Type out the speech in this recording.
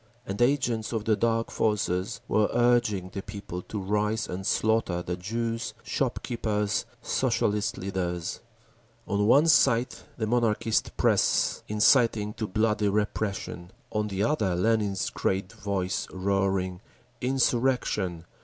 and agents of the Dark Forces were urging the people to rise and slaughter the Jews, shop keepers, Socialist leaders…. On one side the Monarchist press, inciting to bloody repression—on the other Lenin's great voice roaring, "Insurrection!